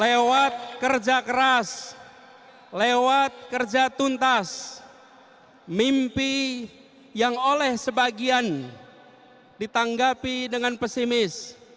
lewat kerja keras lewat kerja tuntas mimpi yang oleh sebagian ditanggapi dengan pesimis